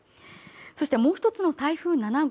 そして、もう１つの台風７号